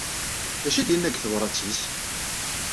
D acu i d-yenna deg tebṛat-is?